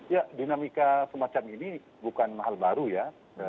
ya dinamika semacam ini bukan hal baru ya